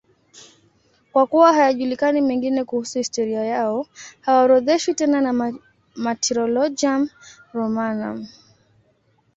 Kwa kuwa hayajulikani mengine kuhusu historia yao, hawaorodheshwi tena na Martyrologium Romanum.